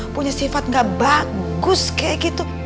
punya sifat gak bagus kayak gitu